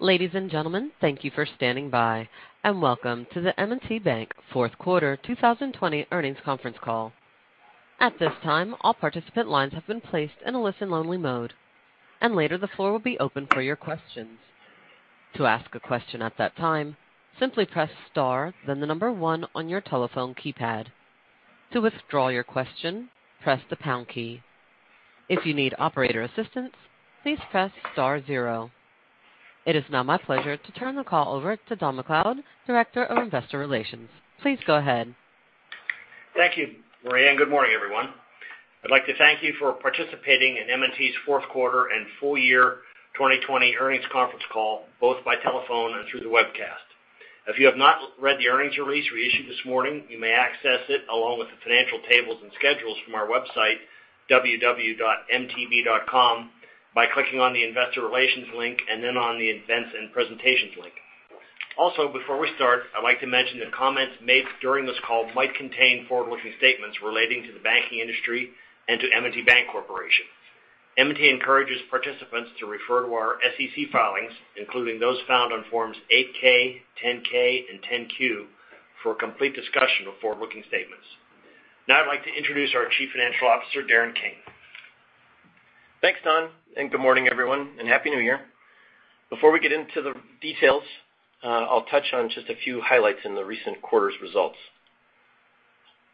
Ladies and gentlemen, thank you for standing by, and welcome to the M&T Bank fourth quarter 2020 earnings conference call. At this time, all participant lines have been placed in a listen-only mode, and later the floor will be open for your questions. To ask a question at that time, simply press star then the number one on your telephone keypad. To withdraw your question, press the pound key. If you need operator assistance, please press star zero. It is now my pleasure to turn the call over to Don MacLeod, Director of Investor Relations. Please go ahead. Thank you, Maria. Good morning, everyone. I'd like to thank you for participating in M&T's fourth quarter and full year 2020 earnings conference call, both by telephone and through the webcast. If you have not read the earnings release we issued this morning, you may access it along with the financial tables and schedules from our website, www.mtb.com, by clicking on the investor relations link and then on the events and presentations link. Before we start, I'd like to mention that comments made during this call might contain forward-looking statements relating to the banking industry and to M&T Bank Corporation. M&T encourages participants to refer to our SEC filings, including those found on forms 8-K, 10-K, and 10-Q, for a complete discussion of forward-looking statements. Now I'd like to introduce our Chief Financial Officer, Darren King. Thanks, Don, and good morning, everyone, and happy New Year. Before we get into the details, I'll touch on just a few highlights in the recent quarter's results.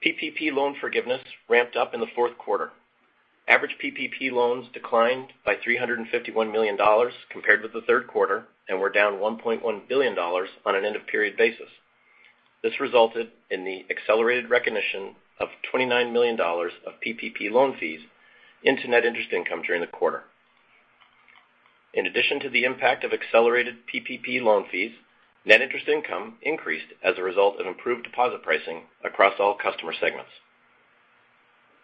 PPP loan forgiveness ramped up in the fourth quarter. Average PPP loans declined by $351 million compared with the third quarter, and were down $1.1 billion on an end-of-period basis. This resulted in the accelerated recognition of $29 million of PPP loan fees into net interest income during the quarter. In addition to the impact of accelerated PPP loan fees, net interest income increased as a result of improved deposit pricing across all customer segments.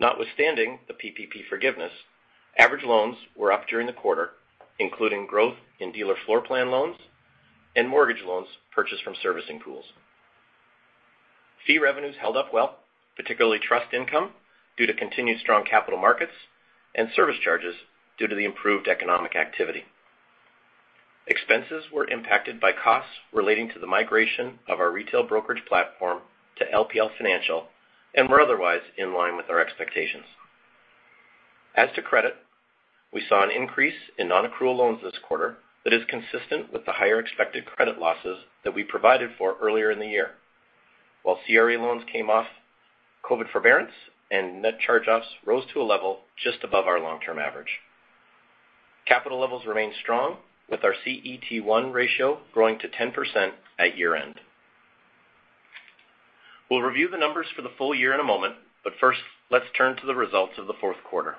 Notwithstanding the PPP forgiveness, average loans were up during the quarter, including growth in dealer floorplan loans and mortgage loans purchased from servicing pools. Fee revenues held up well, particularly trust income, due to continued strong capital markets, and service charges due to the improved economic activity. Expenses were impacted by costs relating to the migration of our retail brokerage platform to LPL Financial and were otherwise in line with our expectations. As to credit, we saw an increase in non-accrual loans this quarter that is consistent with the higher expected credit losses that we provided for earlier in the year. While CRE loans came off COVID forbearance and net charge-offs rose to a level just above our long-term average. Capital levels remain strong, with our CET1 ratio growing to 10% at year-end. We'll review the numbers for the full year in a moment, but first, let's turn to the results of the fourth quarter.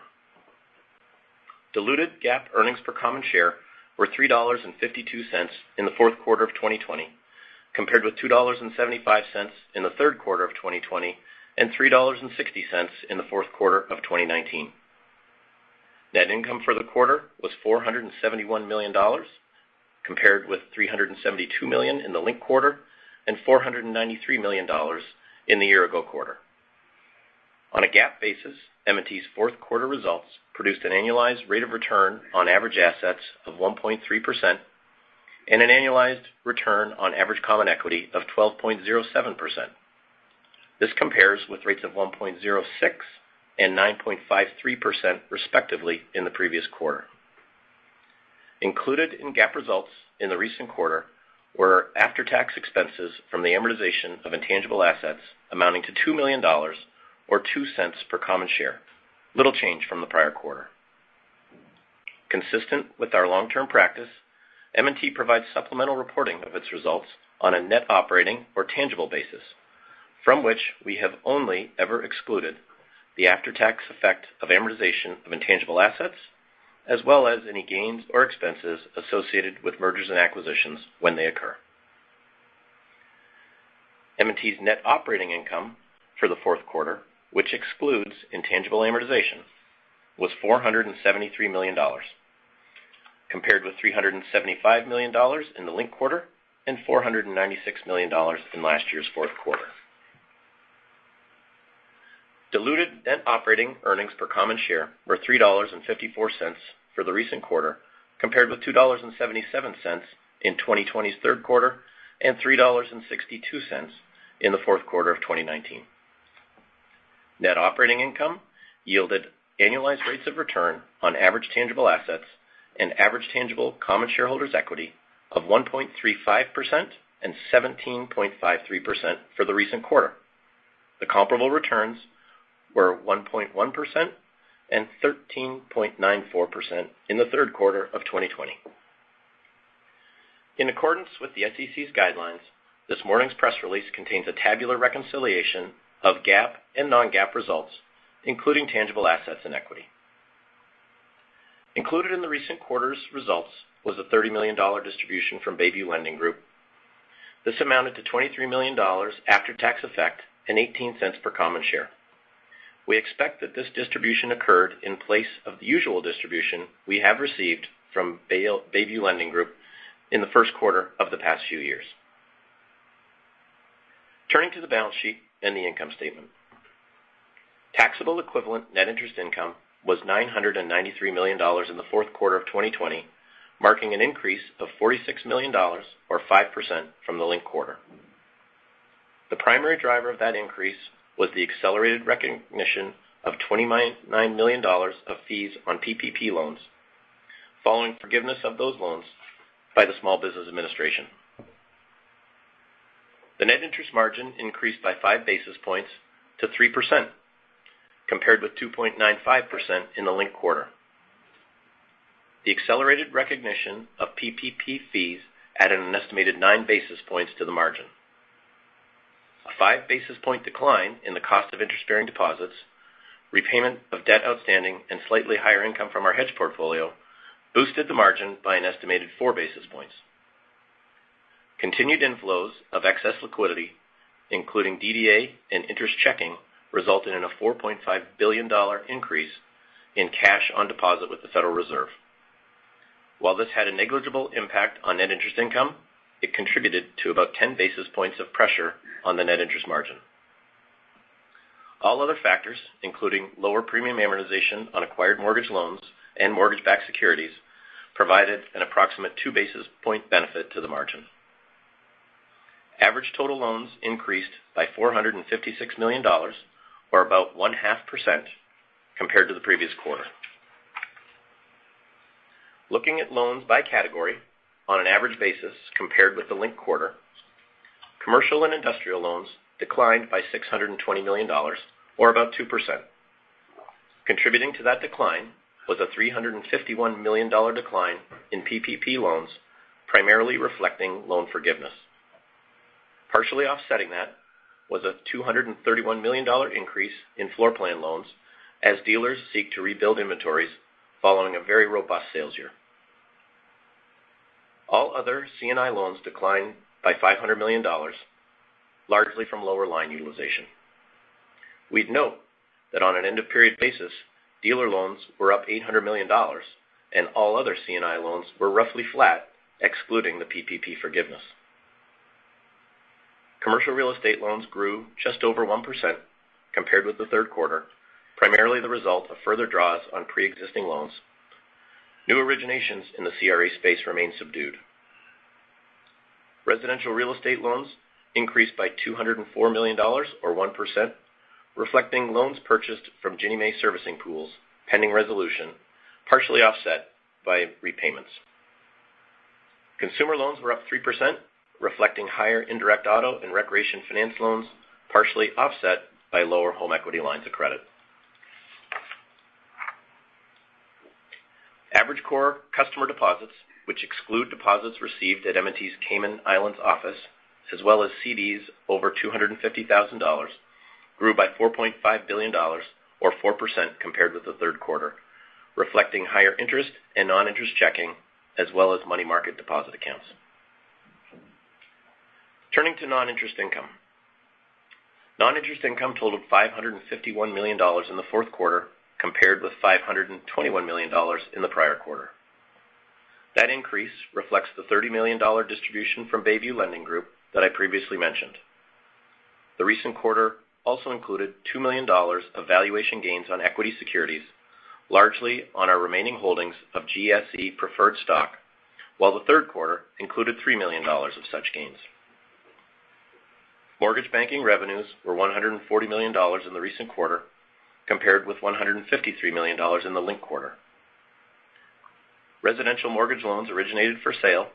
Diluted GAAP earnings per common share were $3.52 in the fourth quarter of 2020, compared with $2.75 in the third quarter of 2020 and $3.60 in the fourth quarter of 2019. Net income for the quarter was $471 million, compared with $372 million in the linked quarter and $493 million in the year-ago quarter. On a GAAP basis, M&T's fourth quarter results produced an annualized rate of return on average assets of 1.3% and an annualized return on average common equity of 12.07%. This compares with rates of 1.06% and 9.53% respectively in the previous quarter. Included in GAAP results in the recent quarter were after-tax expenses from the amortization of intangible assets amounting to $2 million, or $0.02 per common share, little change from the prior quarter. Consistent with our long-term practice, M&T provides supplemental reporting of its results on a net operating or tangible basis, from which we have only ever excluded the after-tax effect of amortization of intangible assets, as well as any gains or expenses associated with mergers and acquisitions when they occur. M&T's net operating income for the fourth quarter, which excludes intangible amortization, was $473 million, compared with $375 million in the linked quarter and $496 million in last year's fourth quarter. Diluted net operating earnings per common share were $3.54 for the recent quarter, compared with $2.77 in 2020's third quarter and $3.62 in the fourth quarter of 2019. Net operating income yielded annualized rates of return on average tangible assets and average tangible common shareholders' equity of 1.35% and 17.53% for the recent quarter. The comparable returns were 1.1% and 13.94% in the third quarter of 2020. In accordance with the SEC's guidelines, this morning's press release contains a tabular reconciliation of GAAP and non-GAAP results, including tangible assets and equity. Included in the recent quarter's results was a $30 million distribution from Bayview Lending Group. This amounted to $23 million after tax effect and $0.18 per common share. We expect that this distribution occurred in place of the usual distribution we have received from Bayview Lending Group in the first quarter of the past few years. Turning to the balance sheet and the income statement. Taxable equivalent net interest income was $993 million in the fourth quarter of 2020, marking an increase of $46 million or 5% from the linked quarter. The primary driver of that increase was the accelerated recognition of $29 million of fees on PPP loans, following forgiveness of those loans by the Small Business Administration. The net interest margin increased by 5 basis points to 3%, compared with 2.95% in the linked quarter. The accelerated recognition of PPP fees added an estimated 9 basis points to the margin. A 5 basis point decline in the cost of interest-bearing deposits, repayment of debt outstanding, and slightly higher income from our hedge portfolio boosted the margin by an estimated 4 basis points. Continued inflows of excess liquidity, including DDA and interest checking, resulted in a $4.5 billion increase in cash on deposit with the Federal Reserve. This had a negligible impact on net interest income, it contributed to about 10 basis points of pressure on the net interest margin. All other factors, including lower premium amortization on acquired mortgage loans and mortgage-backed securities, provided an approximate 2 basis point benefit to the margin. Average total loans increased by $456 million or about one-half percent compared to the previous quarter. Looking at loans by category on an average basis compared with the linked quarter, commercial and industrial loans declined by $620 million or about 2%. Contributing to that decline was a $351 million decline in PPP loans, primarily reflecting loan forgiveness. Partially offsetting that was a $231 million increase in floor plan loans as dealers seek to rebuild inventories following a very robust sales year. All other C&I loans declined by $500 million, largely from lower line utilization. We'd note that on an end-of-period basis, dealer loans were up $800 million and all other C&I loans were roughly flat, excluding the PPP forgiveness. Commercial real estate loans grew just over 1% compared with the third quarter, primarily the result of further draws on preexisting loans. New originations in the CRE space remain subdued. Residential real estate loans increased by $204 million or 1%, reflecting loans purchased from Ginnie Mae servicing pools pending resolution, partially offset by repayments. Consumer loans were up 3%, reflecting higher indirect auto and recreation finance loans, partially offset by lower home equity lines of credit. Average core customer deposits, which exclude deposits received at M&T's Cayman Islands office, as well as CDs over $250,000, grew by $4.5 billion or 4% compared with the third quarter, reflecting higher interest in non-interest checking as well as money market deposit accounts. Turning to non-interest income. Non-interest income totaled $551 million in the fourth quarter, compared with $521 million in the prior quarter. That increase reflects the $30 million distribution from Bayview Lending Group that I previously mentioned. The recent quarter also included $2 million of valuation gains on equity securities, largely on our remaining holdings of GSE preferred stock, while the third quarter included $3 million of such gains. Mortgage banking revenues were $140 million in the recent quarter, compared with $153 million in the linked quarter. Residential mortgage loans originated for sale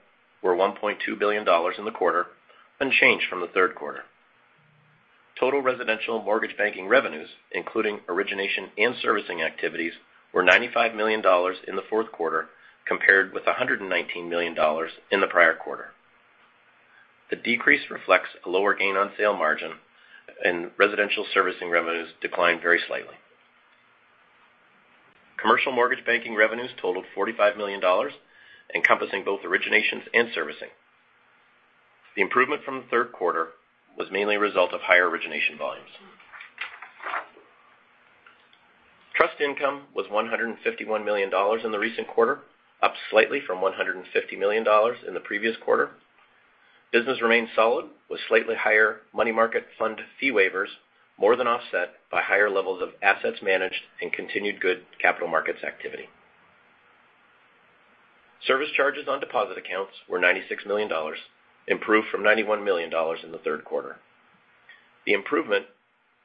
were $1.2 billion in the quarter, unchanged from the third quarter. Total residential mortgage banking revenues, including origination and servicing activities, were $95 million in the fourth quarter, compared with $119 million in the prior quarter. The decrease reflects a lower gain on sale margin, and residential servicing revenues declined very slightly. Commercial mortgage banking revenues totaled $45 million, encompassing both originations and servicing. The improvement from the third quarter was mainly a result of higher origination volumes. Trust income was $151 million in the recent quarter, up slightly from $150 million in the previous quarter. Business remained solid with slightly higher money market fund fee waivers, more than offset by higher levels of assets managed and continued good capital markets activity. Service charges on deposit accounts were $96 million, improved from $91 million in the third quarter. The improvement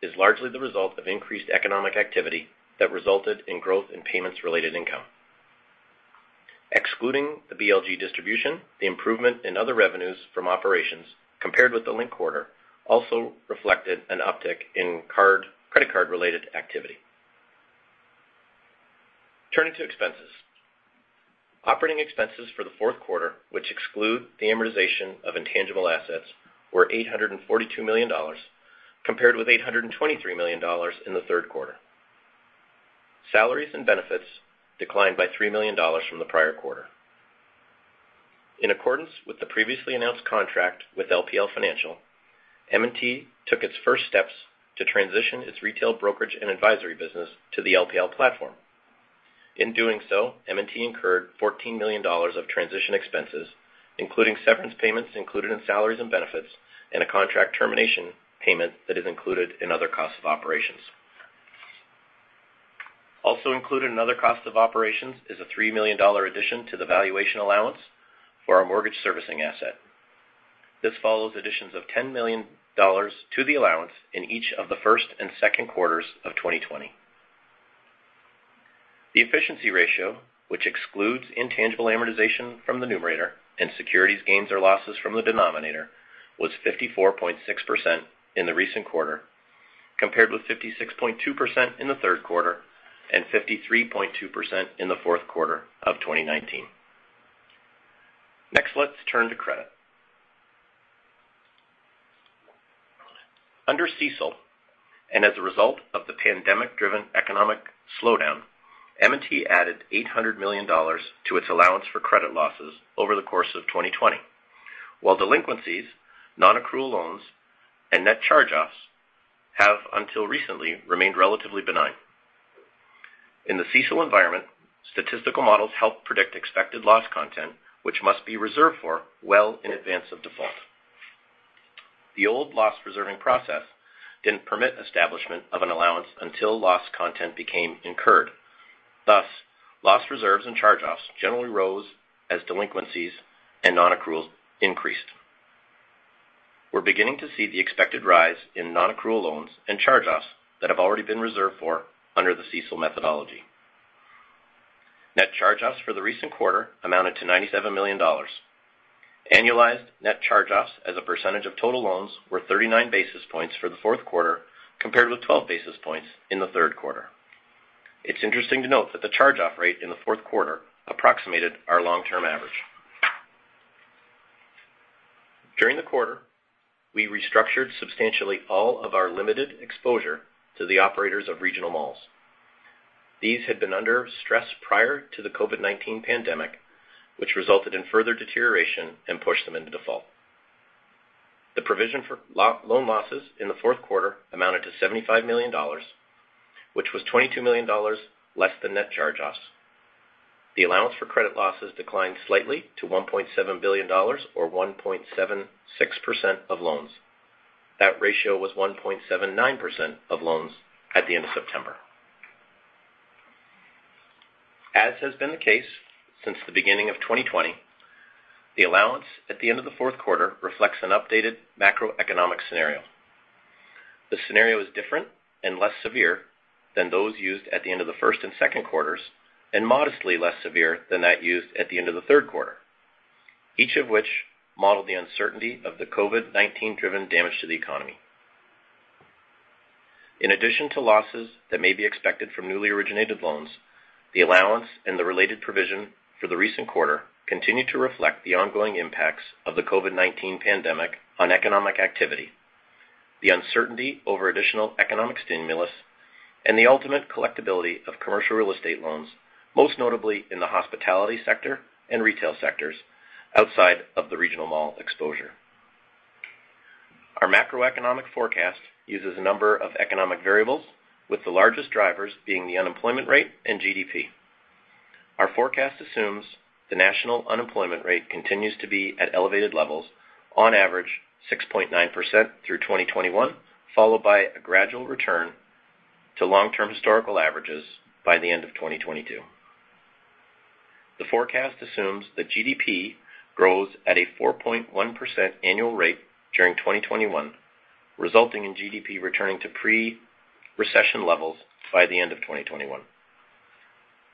is largely the result of increased economic activity that resulted in growth in payments-related income. Excluding the BLG distribution, the improvement in other revenues from operations compared with the linked quarter also reflected an uptick in credit card-related activity. Turning to expenses. Operating expenses for the fourth quarter, which exclude the amortization of intangible assets, were $842 million, compared with $823 million in the third quarter. Salaries and benefits declined by $3 million from the prior quarter. In accordance with the previously announced contract with LPL Financial, M&T took its first steps to transition its retail brokerage and advisory business to the LPL platform. In doing so, M&T incurred $14 million of transition expenses, including severance payments included in salaries and benefits, and a contract termination payment that is included in other costs of operations. Also included in other costs of operations is a $3 million addition to the valuation allowance for our mortgage servicing asset. This follows additions of $10 million to the allowance in each of the first and second quarters of 2020. The efficiency ratio, which excludes intangible amortization from the numerator and securities gains or losses from the denominator, was 54.6% in the recent quarter, compared with 56.2% in the third quarter and 53.2% in the fourth quarter of 2019. Next, let's turn to credit. Under CECL, and as a result of the pandemic-driven economic slowdown, M&T added $800 million to its allowance for credit losses over the course of 2020. While delinquencies, nonaccrual loans, and net charge-offs have until recently remained relatively benign. In the CECL environment, statistical models help predict expected loss content, which must be reserved for well in advance of default. The old loss reserving process didn't permit establishment of an allowance until loss content became incurred. Thus, loss reserves and charge-offs generally rose as delinquencies and nonaccruals increased. We're beginning to see the expected rise in nonaccrual loans and charge-offs that have already been reserved for under the CECL methodology. Net charge-offs for the recent quarter amounted to $97 million. Annualized net charge-offs as a percentage of total loans were 39 basis points for the fourth quarter, compared with 12 basis points in the third quarter. It's interesting to note that the charge-off rate in the fourth quarter approximated our long-term average. During the quarter, we restructured substantially all of our limited exposure to the operators of regional malls. These had been under stress prior to the COVID-19 pandemic, which resulted in further deterioration and pushed them into default. The provision for loan losses in the fourth quarter amounted to $75 million, which was $22 million less than net charge-offs. The allowance for credit losses declined slightly to $1.7 billion, or 1.76% of loans. That ratio was 1.79% of loans at the end of September. As has been the case since the beginning of 2020, the allowance at the end of the fourth quarter reflects an updated macroeconomic scenario. The scenario is different and less severe than those used at the end of the first and second quarters, and modestly less severe than that used at the end of the third quarter, each of which modeled the uncertainty of the COVID-19-driven damage to the economy. In addition to losses that may be expected from newly originated loans, the allowance and the related provision for the recent quarter continue to reflect the ongoing impacts of the COVID-19 pandemic on economic activity, the uncertainty over additional economic stimulus, and the ultimate collectibility of commercial real estate loans, most notably in the hospitality sector and retail sectors outside of the regional mall exposure. Our macroeconomic forecast uses a number of economic variables, with the largest drivers being the unemployment rate and GDP. Our forecast assumes the national unemployment rate continues to be at elevated levels, on average 6.9% through 2021, followed by a gradual return to long-term historical averages by the end of 2022. The forecast assumes that GDP grows at a 4.1% annual rate during 2021, resulting in GDP returning to pre-recession levels by the end of 2021.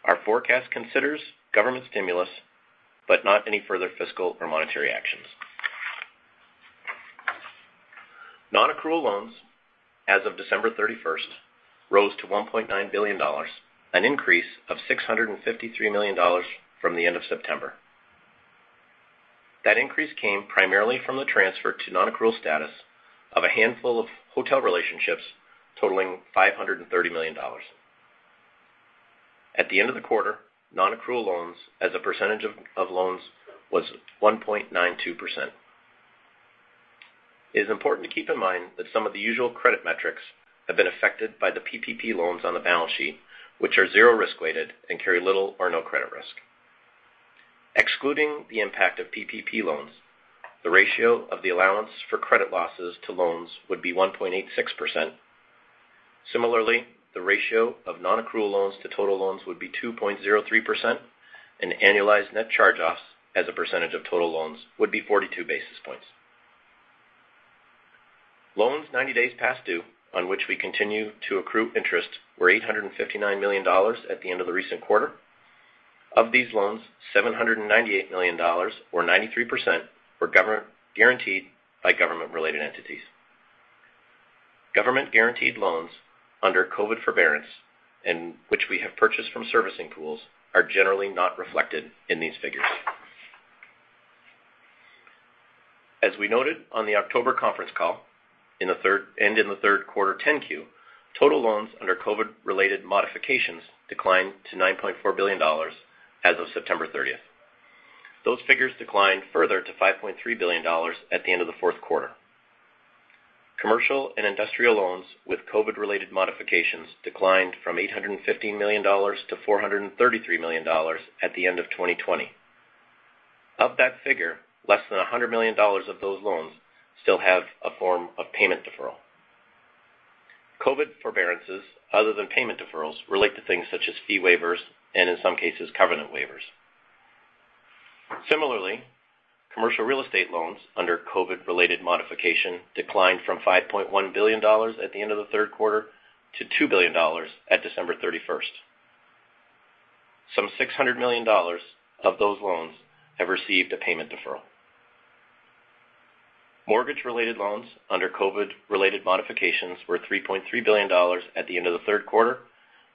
Our forecast considers government stimulus, but not any further fiscal or monetary actions. Nonaccrual loans as of December 31st rose to $1.9 billion, an increase of $653 million from the end of September. That increase came primarily from the transfer to nonaccrual status of a handful of hotel relationships totaling $530 million. At the end of the quarter, nonaccrual loans as a percentage of loans was 1.92%. It is important to keep in mind that some of the usual credit metrics have been affected by the PPP loans on the balance sheet, which are zero risk-weighted and carry little or no credit risk. Excluding the impact of PPP loans, the ratio of the allowance for credit losses to loans would be 1.86%. Similarly, the ratio of nonaccrual loans to total loans would be 2.03%, and annualized net charge-offs as a percentage of total loans would be 42 basis points. Loans 90 days past due, on which we continue to accrue interest, were $859 million at the end of the recent quarter. Of these loans, $798 million, or 93%, were guaranteed by government-related entities. Government-guaranteed loans under COVID forbearance, and which we have purchased from servicing pools, are generally not reflected in these figures. As we noted on the October conference call and in the third quarter 10-Q, total loans under COVID-related modifications declined to $9.4 billion as of September 30th. Those figures declined further to $5.3 billion at the end of the fourth quarter. Commercial and industrial loans with COVID-related modifications declined from $815 million-$433 million at the end of 2020. Of that figure, less than $100 million of those loans still have a form of payment deferral. COVID forbearances, other than payment deferrals, relate to things such as fee waivers and in some cases, covenant waivers. Similarly, commercial real estate loans under COVID-related modification declined from $5.1 billion at the end of the third quarter to $2 billion at December 31st. Some $600 million of those loans have received a payment deferral. Mortgage-related loans under COVID-related modifications were $3.3 billion at the end of the third quarter.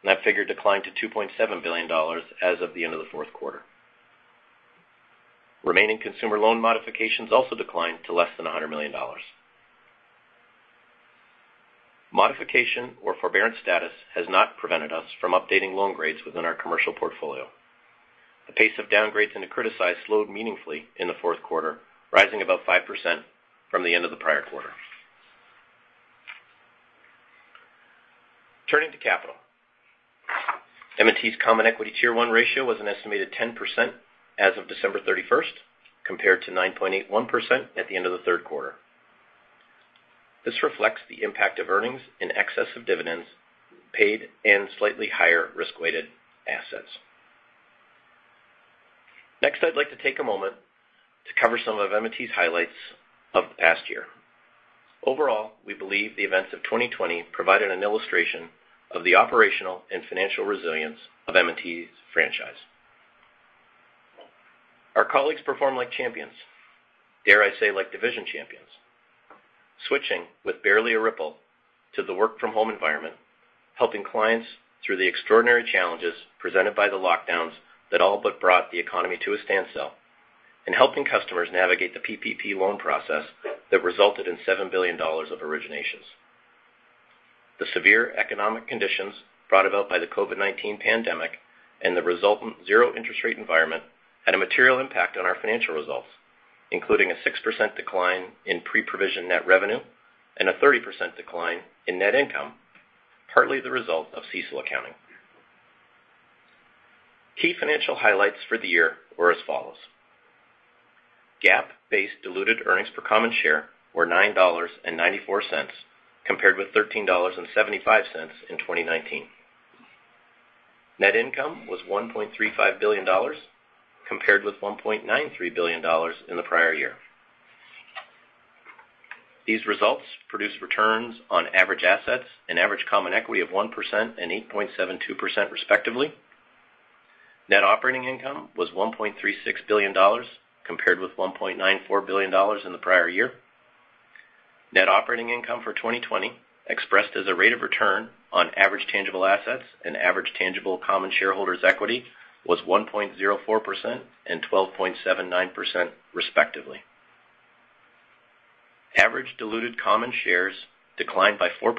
That figure declined to $2.7 billion as of the end of the fourth quarter. Remaining consumer loan modifications also declined to less than $100 million. Modification or forbearance status has not prevented us from updating loan grades within our commercial portfolio. The pace of downgrades in the criticized slowed meaningfully in the fourth quarter, rising about 5% from the end of the prior quarter. Turning to capital. M&T's common equity Tier 1 ratio was an estimated 10% as of December 31st, compared to 9.81% at the end of the third quarter. This reflects the impact of earnings in excess of dividends paid and slightly higher risk-weighted assets. I'd like to take a moment to cover some of M&T's highlights of the past year. Overall, we believe the events of 2020 provided an illustration of the operational and financial resilience of M&T's franchise. Our colleagues perform like champions, dare I say like division champions. Switching with barely a ripple to the work-from-home environment, helping clients through the extraordinary challenges presented by the lockdowns that all but brought the economy to a standstill, and helping customers navigate the PPP loan process that resulted in $7 billion of originations. The severe economic conditions brought about by the COVID-19 pandemic and the resultant zero interest rate environment had a material impact on our financial results, including a 6% decline in pre-provision net revenue and a 30% decline in net income, partly the result of CECL accounting. Key financial highlights for the year were as follows. GAAP-based diluted earnings per common share were $9.94, compared with $13.75 in 2019. Net income was $1.35 billion, compared with $1.93 billion in the prior year. These results produced returns on average assets and average common equity of 1% and 8.72%, respectively. Net operating income was $1.36 billion, compared with $1.94 billion in the prior year. Net operating income for 2020 expressed as a rate of return on average tangible assets and average tangible common shareholders' equity was 1.04% and 12.79%, respectively. Average diluted common shares declined by 4%,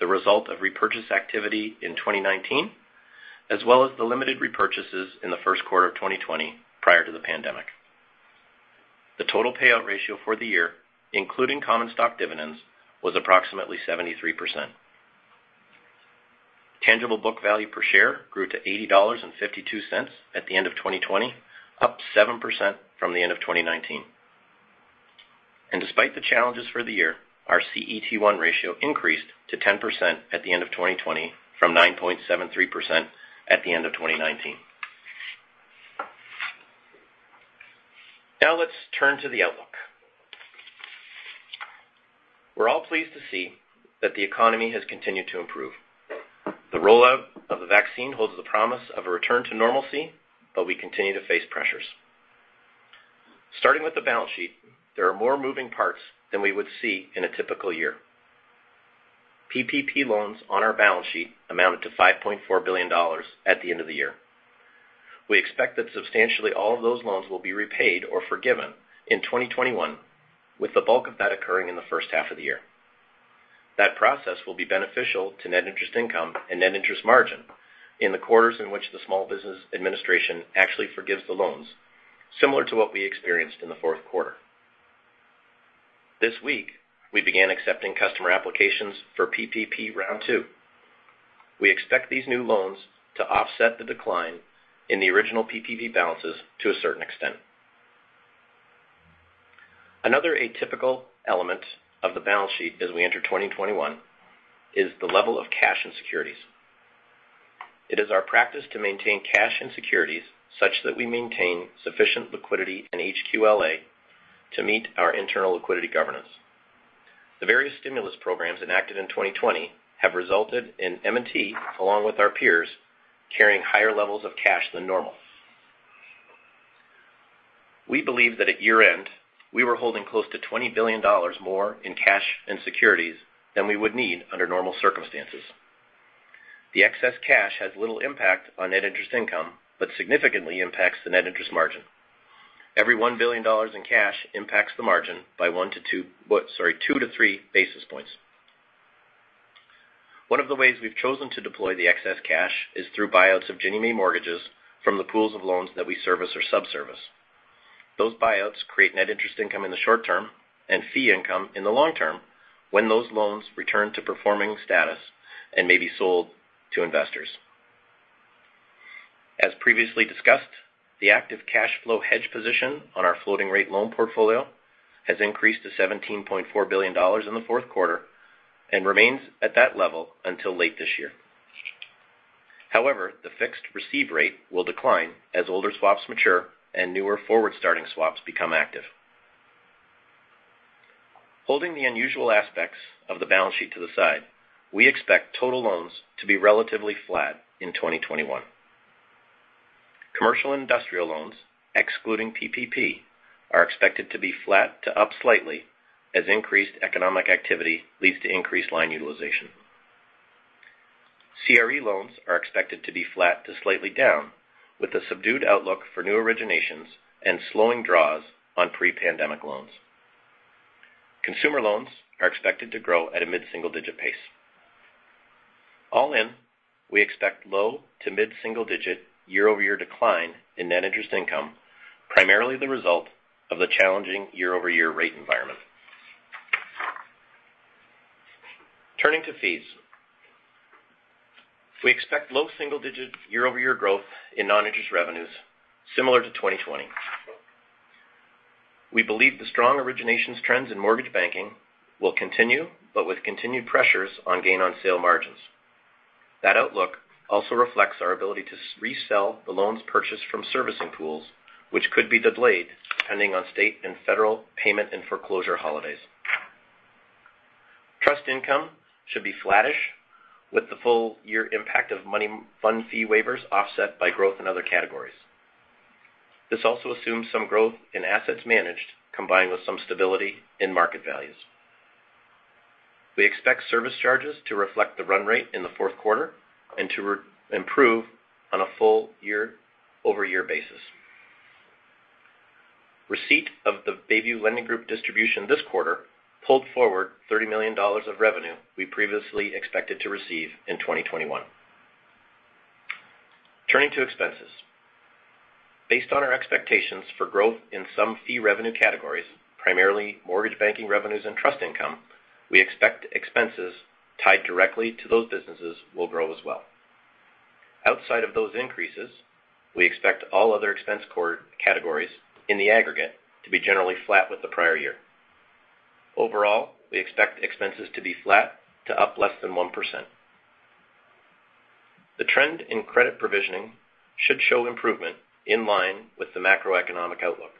the result of repurchase activity in 2019, as well as the limited repurchases in the first quarter of 2020 prior to the pandemic. The total payout ratio for the year, including common stock dividends, was approximately 73%. Tangible book value per share grew to $80.52 at the end of 2020, up 7% from the end of 2019. Despite the challenges for the year, our CET1 ratio increased to 10% at the end of 2020 from 9.73% at the end of 2019. Now let's turn to the outlook. We're all pleased to see that the economy has continued to improve. The rollout of the vaccine holds the promise of a return to normalcy, but we continue to face pressures. Starting with the balance sheet, there are more moving parts than we would see in a typical year. PPP loans on our balance sheet amounted to $5.4 billion at the end of the year. We expect that substantially all of those loans will be repaid or forgiven in 2021, with the bulk of that occurring in the first half of the year. That process will be beneficial to net interest income and net interest margin in the quarters in which the Small Business Administration actually forgives the loans, similar to what we experienced in the fourth quarter. This week, we began accepting customer applications for PPP round two. We expect these new loans to offset the decline in the original PPP balances to a certain extent. Another atypical element of the balance sheet as we enter 2021 is the level of cash and securities. It is our practice to maintain cash and securities such that we maintain sufficient liquidity and HQLA to meet our internal liquidity governance. The various stimulus programs enacted in 2020 have resulted in M&T, along with our peers, carrying higher levels of cash than normal. We believe that at year-end, we were holding close to $20 billion more in cash and securities than we would need under normal circumstances. The excess cash has little impact on net interest income, but significantly impacts the net interest margin. Every $1 billion in cash impacts the margin by 2-3 basis points. One of the ways we've chosen to deploy the excess cash is through buyouts of Ginnie Mae mortgages from the pools of loans that we service or sub-service. Those buyouts create net interest income in the short term and fee income in the long term when those loans return to performing status and may be sold to investors. As previously discussed, the active cash flow hedge position on our floating rate loan portfolio has increased to $17.4 billion in the fourth quarter and remains at that level until late this year. However, the fixed receive rate will decline as older swaps mature and newer forward-starting swaps become active. Holding the unusual aspects of the balance sheet to the side, we expect total loans to be relatively flat in 2021. Commercial and industrial loans, excluding PPP, are expected to be flat to up slightly as increased economic activity leads to increased line utilization. CRE loans are expected to be flat to slightly down with a subdued outlook for new originations and slowing draws on pre-pandemic loans. Consumer loans are expected to grow at a mid-single-digit pace. All in, we expect low to mid-single-digit year-over-year decline in net interest income, primarily the result of the challenging year-over-year rate environment. Turning to fees. We expect low single-digit year-over-year growth in non-interest revenues similar to 2020. We believe the strong originations trends in mortgage banking will continue, but with continued pressures on gain on sale margins. That outlook also reflects our ability to resell the loans purchased from servicing pools, which could be delayed depending on state and federal payment and foreclosure holidays. Trust income should be flattish with the full year impact of money fund fee waivers offset by growth in other categories. This also assumes some growth in assets managed, combined with some stability in market values. We expect service charges to reflect the run rate in the fourth quarter and to improve on a full year-over-year basis. Receipt of the Bayview Lending Group distribution this quarter pulled forward $30 million of revenue we previously expected to receive in 2021. Turning to expenses. Based on our expectations for growth in some fee revenue categories, primarily mortgage banking revenues and trust income, we expect expenses tied directly to those businesses will grow as well. Outside of those increases, we expect all other expense categories in the aggregate to be generally flat with the prior year. Overall, we expect expenses to be flat to up less than 1%. The trend in credit provisioning should show improvement in line with the macroeconomic outlook.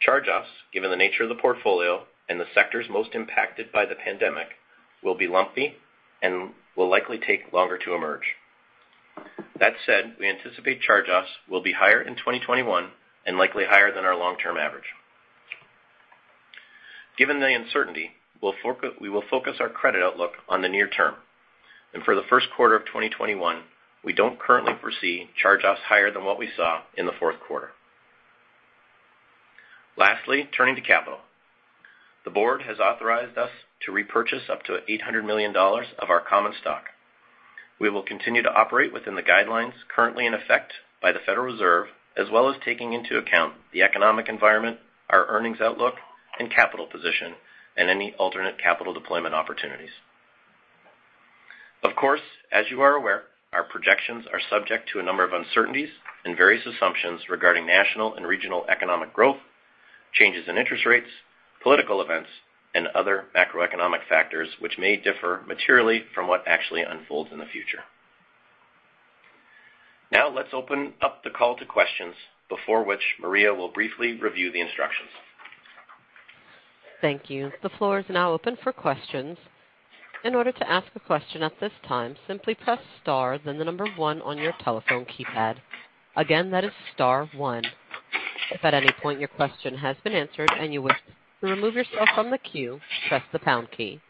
Charge-offs, given the nature of the portfolio and the sectors most impacted by the pandemic, will be lumpy and will likely take longer to emerge. That said, we anticipate charge-offs will be higher in 2021 and likely higher than our long-term average. Given the uncertainty, we will focus our credit outlook on the near term. For the first quarter of 2021, we don't currently foresee charge-offs higher than what we saw in the fourth quarter. Lastly, turning to capital. The board has authorized us to repurchase up to $800 million of our common stock. We will continue to operate within the guidelines currently in effect by the Federal Reserve, as well as taking into account the economic environment, our earnings outlook, and capital position, and any alternate capital deployment opportunities. Of course, as you are aware, our projections are subject to a number of uncertainties and various assumptions regarding national and regional economic growth, changes in interest rates, political events, and other macroeconomic factors which may differ materially from what actually unfolds in the future. Now let's open up the call to questions, before which Maria will briefly review the instructions. Thank you. The floor is now open for questions. In order to ask a question at this time, simply press star then the number one on your telephone keypad. Again, that is star one. If at any point your question has been answered and you wish to remove yourself from the queue, press the pound key.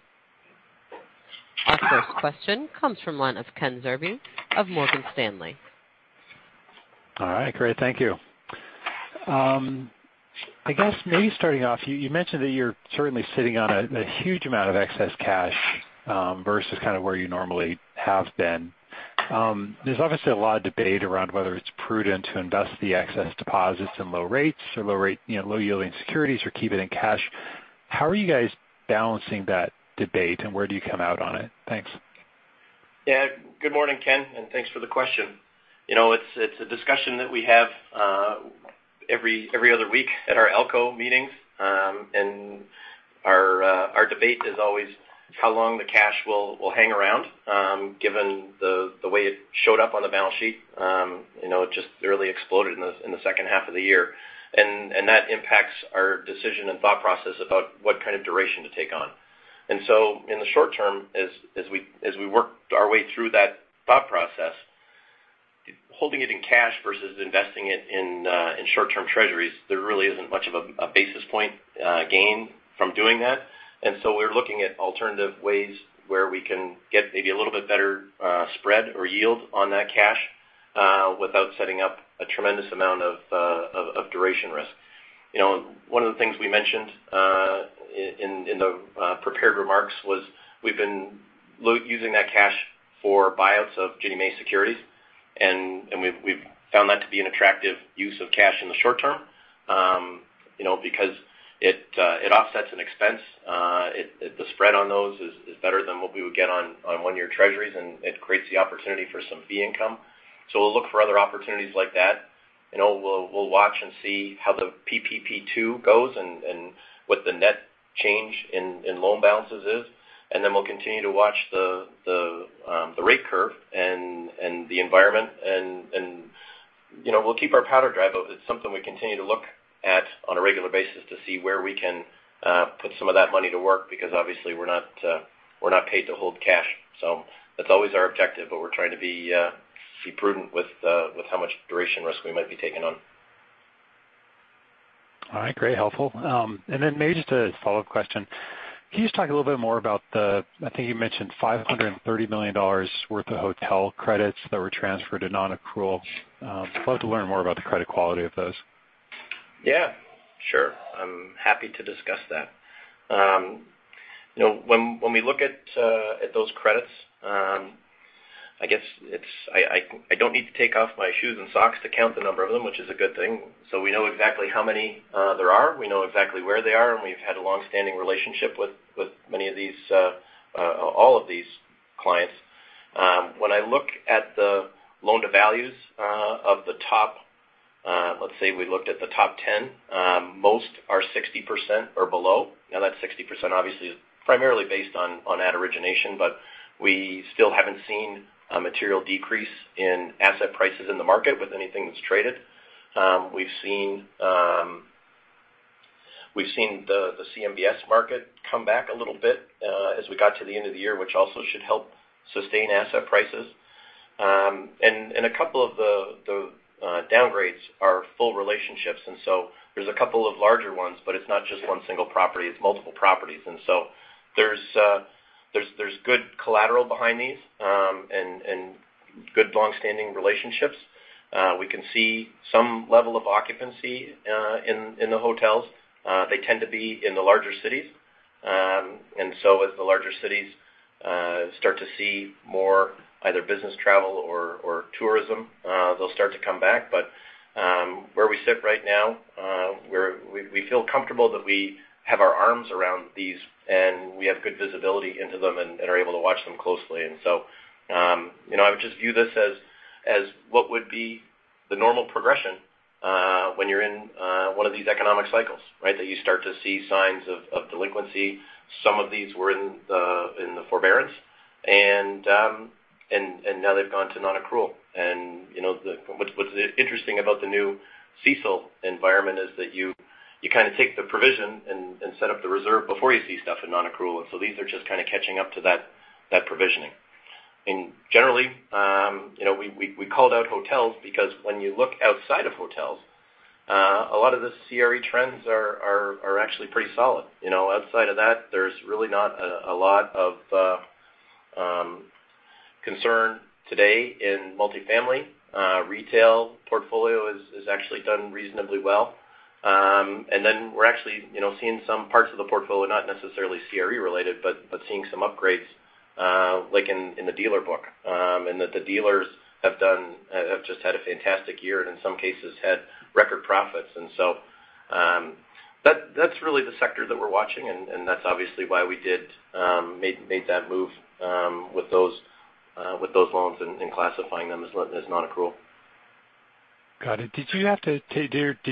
Our first question comes from the line of Ken Zerbe of Morgan Stanley. All right. Great. Thank you. I guess maybe starting off, you mentioned that you're certainly sitting on a huge amount of excess cash versus where you normally have been. There's obviously a lot of debate around whether it's prudent to invest the excess deposits in low rates or low yielding securities or keep it in cash. How are you guys balancing that debate, and where do you come out on it? Thanks. Good morning, Ken, thanks for the question. It's a discussion that we have every other week at our ALCO meetings. Our debate is always how long the cash will hang around, given the way it showed up on the balance sheet. It just really exploded in the second half of the year. That impacts our decision and thought process about what kind of duration to take on. In the short term, as we worked our way through that thought process, holding it in cash versus investing it in short-term treasuries, there really isn't much of a basis point gain from doing that. We're looking at alternative ways where we can get maybe a little bit better spread or yield on that cash without setting up a tremendous amount of duration risk. One of the things we mentioned in the prepared remarks was we've been using that cash for buyouts of Ginnie Mae securities, and we've found that to be an attractive use of cash in the short term because it offsets an expense. The spread on those is better than what we would get on one-year treasuries, and it creates the opportunity for some fee income. We'll look for other opportunities like that. We'll watch and see how the PPP 2 goes and what the net change in loan balances is, and then we'll continue to watch the rate curve and the environment, and we'll keep our powder dry, but it's something we continue to look at on a regular basis to see where we can put some of that money to work because obviously we're not paid to hold cash. That's always our objective, but we're trying to be prudent with how much duration risk we might be taking on. All right. Great. Helpful. Maybe just a follow-up question. Can you just talk a little bit more about the, I think you mentioned $530 million worth of hotel credits that were transferred to non-accrual. I'd love to learn more about the credit quality of those. Yeah. Sure. I'm happy to discuss that. When we look at those credits, I don't need to take off my shoes and socks to count the number of them, which is a good thing. We know exactly how many there are, we know exactly where they are, and we've had a long-standing relationship with all of these clients. When I look at the loan to values of the top, let's say we looked at the top 10, most are 60% or below. That 60% obviously is primarily based on that origination, but we still haven't seen a material decrease in asset prices in the market with anything that's traded. We've seen the CMBS market come back a little bit as we got to the end of the year, which also should help sustain asset prices. A couple of the downgrades are full relationships, and so there's a couple of larger ones, but it's not just one single property, it's multiple properties. There's good collateral behind these and good long-standing relationships. We can see some level of occupancy in the hotels. They tend to be in the larger cities. As the larger cities start to see more either business travel or tourism, they'll start to come back. Where we sit right now, we feel comfortable that we have our arms around these, and we have good visibility into them and are able to watch them closely. I would just view this as what would be the normal progression when you're in one of these economic cycles, right? That you start to see signs of delinquency. Some of these were in the forbearance, and now they've gone to non-accrual. What's interesting about the new CECL environment is that you kind of take the provision and set up the reserve before you see stuff in non-accrual. These are just kind of catching up to that provisioning. Generally we called out hotels because when you look outside of hotels, a lot of the CRE trends are actually pretty solid. Outside of that, there's really not a lot of concern today in multifamily. Retail portfolio has actually done reasonably well. Then we're actually seeing some parts of the portfolio, not necessarily CRE related, but seeing some upgrades like in the dealer book. The dealers have just had a fantastic year and in some cases had record profits. That's really the sector that we're watching, and that's obviously why we made that move with those loans and classifying them as non-accrual. Got it. Did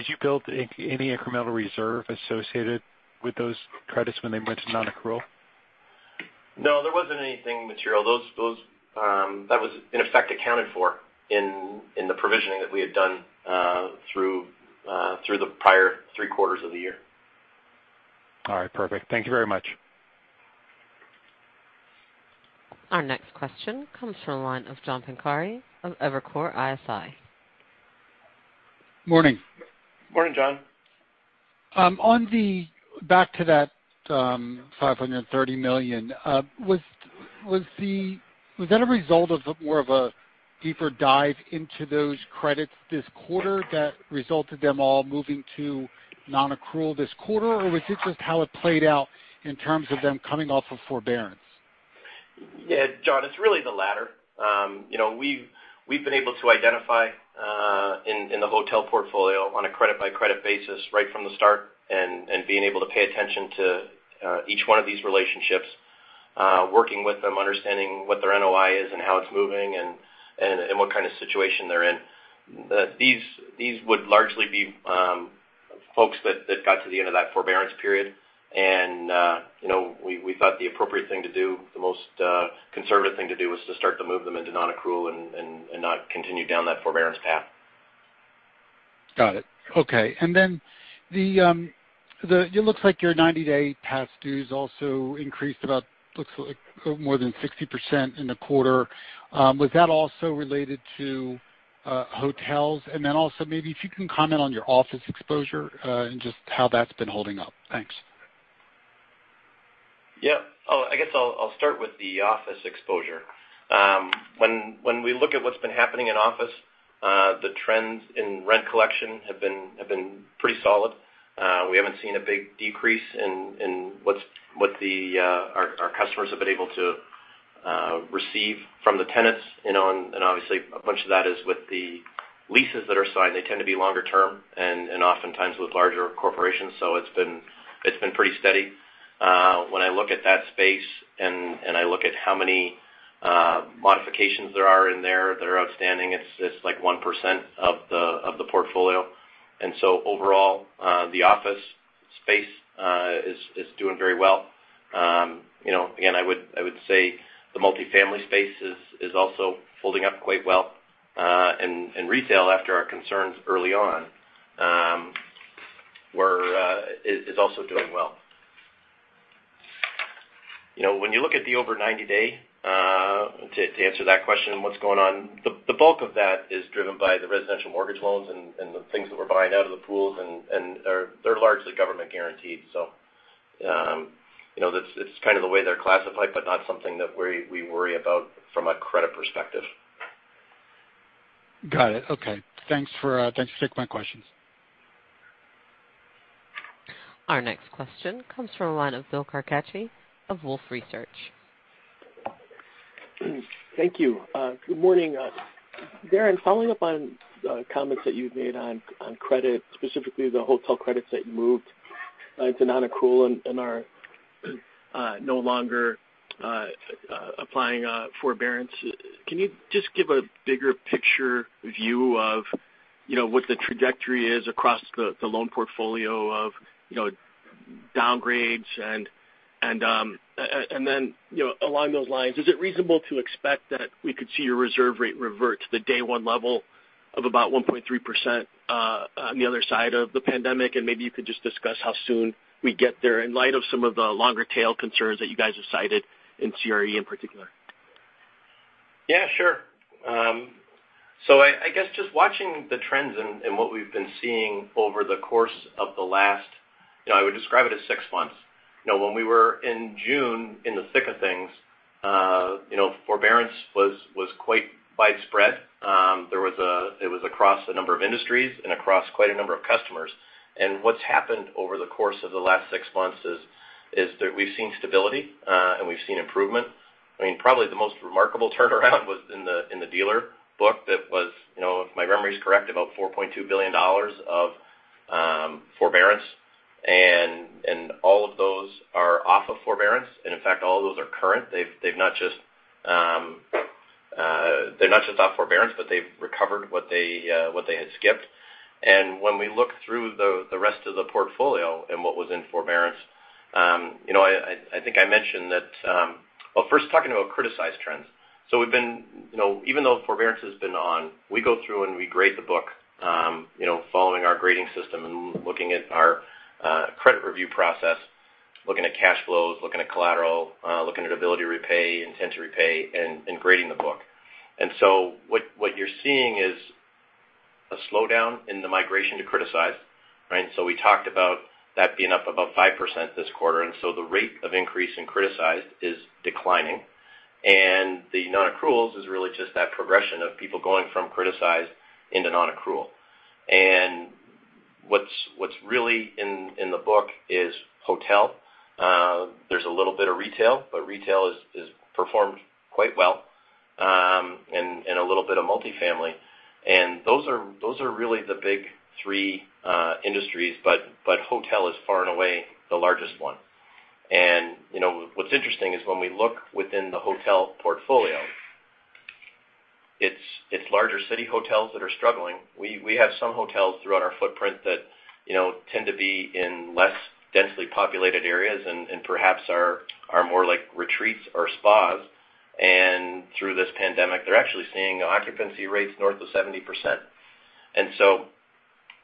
you build any incremental reserve associated with those credits when they went to non-accrual? No, there wasn't anything material. That was in effect accounted for in the provisioning that we had done through the prior three quarters of the year. All right. Perfect. Thank you very much. Our next question comes from the line of John Pancari of Evercore ISI. Morning. Morning, John. Back to that $530 million. Was that a result of more of a deeper dive into those credits this quarter that resulted them all moving to non-accrual this quarter? Was it just how it played out in terms of them coming off of forbearance? Yeah, John, it's really the latter. We've been able to identify in the hotel portfolio on a credit-by-credit basis right from the start and being able to pay attention to each one of these relationships, working with them, understanding what their NOI is and how it's moving and what kind of situation they're in. These would largely be folks that got to the end of that forbearance period. We thought the appropriate thing to do, the most conservative thing to do was to start to move them into non-accrual and not continue down that forbearance path. Got it. Okay. It looks like your 90-day past dues also increased about, looks like more than 60% in the quarter. Was that also related to hotels? Also maybe if you can comment on your office exposure and just how that's been holding up. Thanks. Yeah. I guess I'll start with the office exposure. When we look at what's been happening in office, the trends in rent collection have been pretty solid. We haven't seen a big decrease in what our customers have been able to receive from the tenants. Obviously, a bunch of that is with the leases that are signed. They tend to be longer term and oftentimes with larger corporations. It's been pretty steady. When I look at that space and I look at how many modifications there are in there that are outstanding, it's like 1% of the portfolio. Overall, the office space is doing very well. Again, I would say the multifamily space is also holding up quite well. Retail, after our concerns early on, is also doing well. When you look at the over 90 day, to answer that question, what's going on? The bulk of that is driven by the residential mortgage loans and the things that we're buying out of the pools. They're largely government guaranteed. It's kind of the way they're classified, but not something that we worry about from a credit perspective. Got it. Okay. Thanks for taking my questions. Our next question comes from the line of Bill Carcache of Wolfe Research. Thank you. Good morning. Darren, following up on comments that you've made on credit, specifically the hotel credits that you moved to non-accrual and are no longer applying forbearance. Can you just give a bigger picture view of what the trajectory is across the loan portfolio of downgrades? Along those lines, is it reasonable to expect that we could see your reserve rate revert to the day one level of about 1.3% on the other side of the pandemic? You could just discuss how soon we get there in light of some of the longer tail concerns that you guys have cited in CRE in particular. Yeah, sure. I guess just watching the trends and what we've been seeing over the course of the last, I would describe it as six months. When we were in June in the thick of things, forbearance was quite widespread. It was across a number of industries and across quite a number of customers. What's happened over the course of the last six months is that we've seen stability, and we've seen improvement. Probably the most remarkable turnaround was in the dealer book that was, if my memory is correct, about $4.2 billion of forbearance. All of those are off of forbearance. In fact, all of those are current. They're not just off forbearance, but they've recovered what they had skipped. When we look through the rest of the portfolio and what was in forbearance, well, first talking about criticized trends. Even though forbearance has been on, we go through and we grade the book following our grading system and looking at our credit review process, looking at cash flows, looking at collateral, looking at ability to repay, intent to repay, and grading the book. What you're seeing is a slowdown in the migration to criticize, right? We talked about that being up about 5% this quarter, the rate of increase in criticized is declining. The non-accruals is really just that progression of people going from criticized into non-accrual. What's really in the book is hotel. There's a little bit of retail, but retail has performed quite well, and a little bit of multifamily. Those are really the big three industries, but hotel is far and away the largest one. What's interesting is when we look within the hotel portfolio, it's larger city hotels that are struggling. We have some hotels throughout our footprint that tend to be in less densely populated areas and perhaps are more like retreats or spas. Through this pandemic, they're actually seeing occupancy rates north of 70%.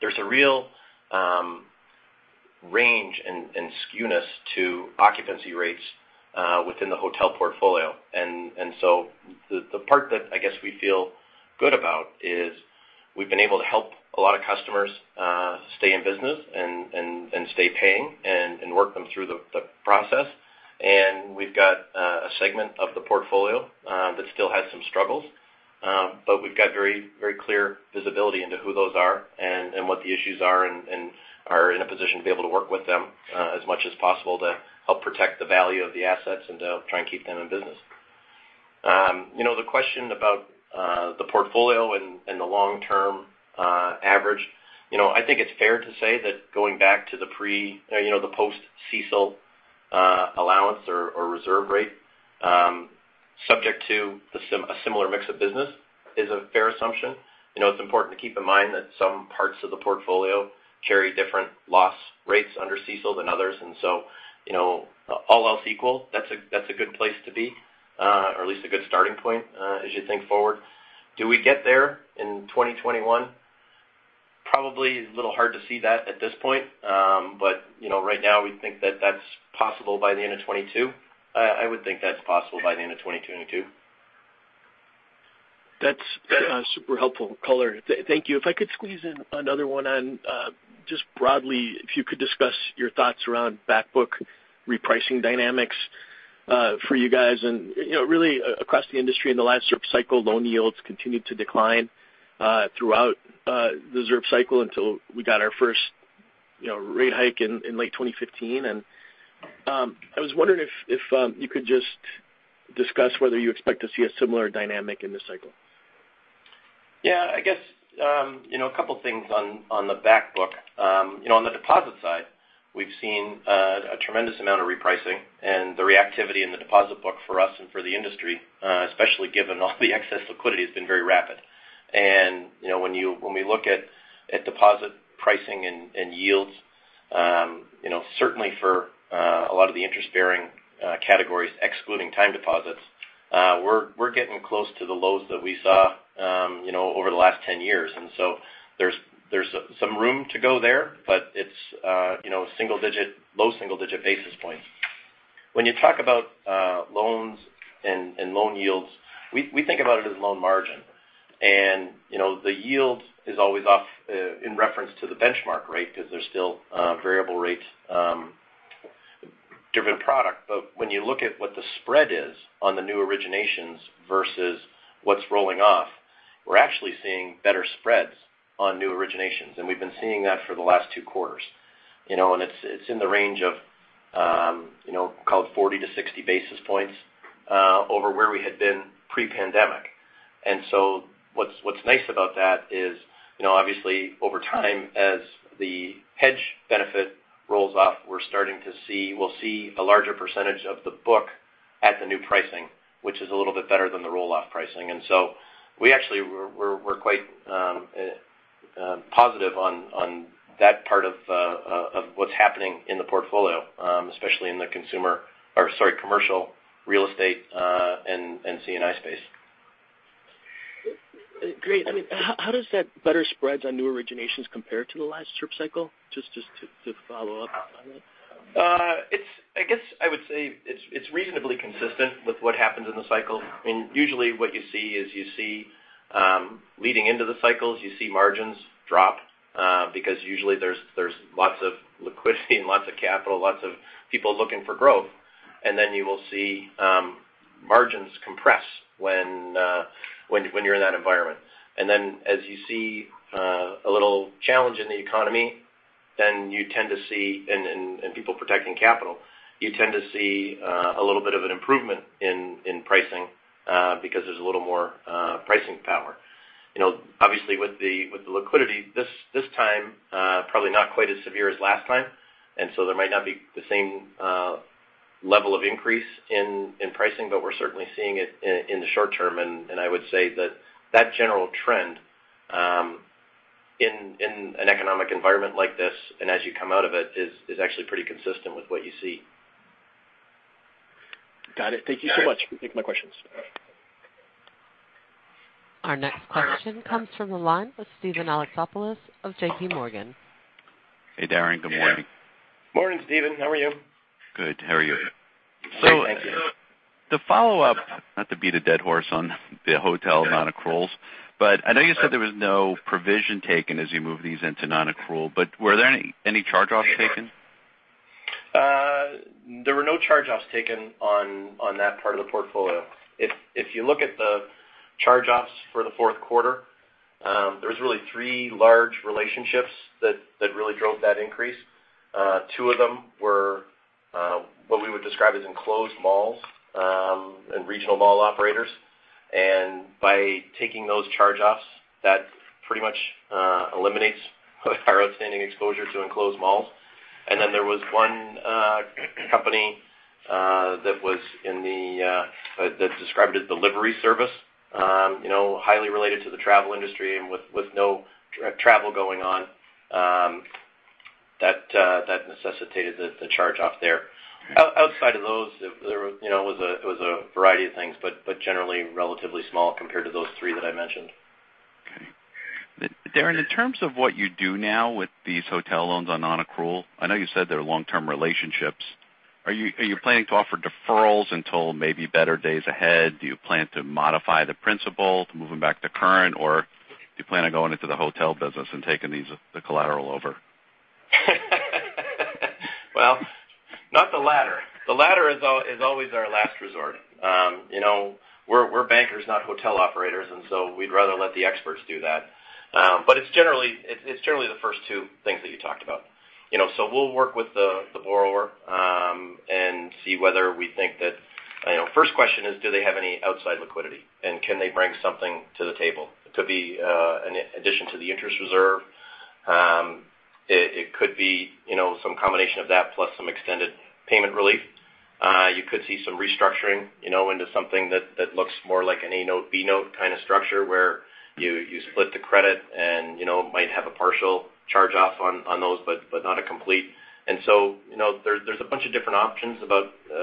There's a real range and skewness to occupancy rates within the hotel portfolio. The part that I guess we feel good about is we've been able to help a lot of customers stay in business and stay paying and work them through the process. We've got a segment of the portfolio that still has some struggles. We've got very clear visibility into who those are and what the issues are and are in a position to be able to work with them as much as possible to help protect the value of the assets and to try and keep them in business. The question about the portfolio and the long-term average. I think it's fair to say that going back to the post CECL allowance or reserve rate, subject to a similar mix of business is a fair assumption. It's important to keep in mind that some parts of the portfolio carry different loss rates under CECL than others. And so, all else equal, that's a good place to be, or at least a good starting point as you think forward. Do we get there in 2021? Probably a little hard to see that at this point. Right now we think that that's possible by the end of 2022. I would think that's possible by the end of 2022. That's super helpful color. Thank you. If I could squeeze in another one on just broadly, if you could discuss your thoughts around back book repricing dynamics for you guys and really across the industry? In the last ZIRP cycle, loan yields continued to decline throughout the ZIRP cycle until we got our first rate hike in late 2015. I was wondering if you could just discuss whether you expect to see a similar dynamic in this cycle? Yeah, I guess a couple things on the back book. On the deposit side, we've seen a tremendous amount of repricing and the reactivity in the deposit book for us and for the industry, especially given all the excess liquidity, has been very rapid. When we look at deposit pricing and yields certainly for a lot of the interest-bearing categories, excluding time deposits we're getting close to the lows that we saw over the last 10 years. There's some room to go there, but it's low single-digit basis points. When you talk about loans and loan yields, we think about it as loan margin. The yield is always off in reference to the benchmark rate because there's still variable rate different product. When you look at what the spread is on the new originations versus what's rolling off, we're actually seeing better spreads on new originations. We've been seeing that for the last two quarters. It's in the range of call it 40-60 basis points over where we had been pre-pandemic. What's nice about that is obviously over time, as the hedge benefit rolls off, we'll see a larger percentage of the book at the new pricing, which is a little bit better than the roll-off pricing. We actually we're quite positive on that part of what's happening in the portfolio especially in the commercial real estate and C&I space. Great. How does that better spreads on new originations compare to the last ZIRP cycle? Just to follow up on that. I guess I would say it's reasonably consistent with what happens in the cycle. Usually what you see is leading into the cycles, you see margins drop because usually there's lots of liquidity and lots of capital, lots of people looking for growth. Then you will see margins compress when you're in that environment. Then as you see a little challenge in the economy and people protecting capital, you tend to see a little bit of an improvement in pricing because there's a little more pricing power. Obviously with the liquidity this time probably not quite as severe as last time. So there might not be the same level of increase in pricing, but we're certainly seeing it in the short term. I would say that general trend in an economic environment like this, and as you come out of it is actually pretty consistent with what you see. Got it. Thank you so much. All right. Thank you for taking my questions. Our next question comes from the line with Steven Alexopoulos of JPMorgan. Hey, Darren. Good morning. Yeah. Morning, Steven. How are you? Good. How are you? Great, thank you. To follow up, not to beat a dead horse on the hotel non-accruals, but I know you said there was no provision taken as you moved these into non-accrual, but were there any charge-offs taken? There were no charge-offs taken on that part of the portfolio. If you look at the charge-offs for the fourth quarter, there was really three large relationships that really drove that increase. Two of them were what we would describe as enclosed malls and regional mall operators. By taking those charge-offs, that pretty much eliminates our outstanding exposure to enclosed malls. Then there was one company that's described as delivery service highly related to the travel industry and with no travel going on that necessitated the charge-off there. Outside of those, it was a variety of things, but generally relatively small compared to those three that I mentioned. Okay. Darren, in terms of what you do now with these hotel loans on non-accrual, I know you said they're long-term relationships. Are you planning to offer deferrals until maybe better days ahead? Do you plan to modify the principal to move them back to current? Or do you plan on going into the hotel business and taking the collateral over? Not the latter. The latter is always our last resort. We're bankers, not hotel operators, we'd rather let the experts do that. It's generally the first two things that you talked about. We'll work with the borrower and see whether we think that. First question is, do they have any outside liquidity and can they bring something to the table? It could be an addition to the interest reserve. It could be some combination of that plus some extended payment relief. You could see some restructuring into something that looks more like an A Note, B Note kind of structure where you split the credit and might have a partial charge-off on those, but not a complete. There's a bunch of different options